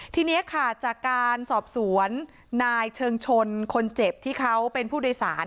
ทีนี้ค่ะจากการสอบสวนนายเชิงชนคนเจ็บที่เขาเป็นผู้โดยสาร